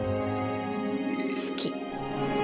好き。